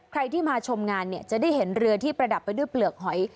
ใครที่มาชมงานเนี่ยจะได้เห็นเรือที่ประดับไปด้วยเปลือกหอย